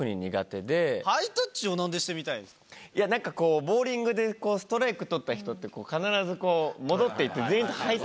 なんかこうボウリングでストライク取った人って必ずこう戻っていって。